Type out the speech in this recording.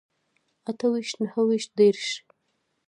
اته ويشت نهه ويشت دېرش